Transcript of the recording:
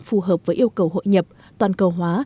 phù hợp với yêu cầu hội nhập toàn cầu hóa